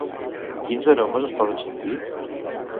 Quins aromes es poden sentir?